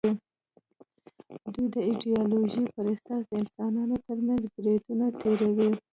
دوی د ایدیالوژۍ پر اساس د انسانانو تر منځ بریدونه تېروي